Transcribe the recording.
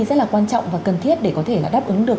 rất là quan trọng và cần thiết để có thể là đáp ứng được